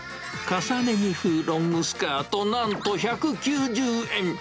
重ね着風ロングスカート、なんと１９０円。